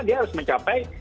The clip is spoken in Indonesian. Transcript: dia harus mencapai